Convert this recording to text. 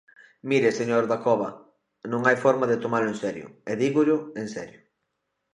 Mire, señor Dacova, non hai forma de tomalo en serio, e dígollo en serio.